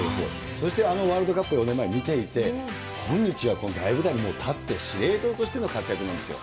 そしてあのワールドカップ、４年前見ていて、今日、大舞台に立って、司令塔としての活躍なんですよ。